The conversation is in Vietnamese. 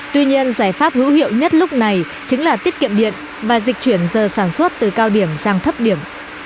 tuy nhiên giải pháp hữu hiệu nhất lúc này chính là tiết kiệm điện và dịch chuyển giờ sản xuất từ cao điểm sang thấp điểm